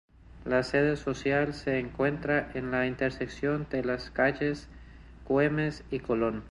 La sede social se encuentra en la intersección de las calles Güemes y Colón.